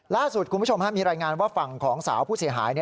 ล่าสุดคุณผู้ชมมีรายงานว่าฝั่งของสาวผู้เสียหาย